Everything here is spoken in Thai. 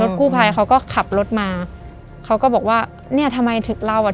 กู้ภัยเขาก็ขับรถมาเขาก็บอกว่าเนี้ยทำไมถึงเราอ่ะ